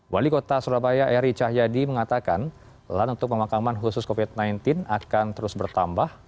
wali kota surabaya eri cahyadi mengatakan lahan untuk pemakaman khusus covid sembilan belas akan terus bertambah